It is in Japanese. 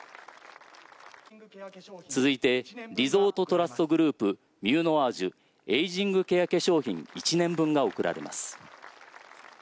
続いてリゾートトラストグループミューノアージュエイジングケア化粧品１年分が贈られます。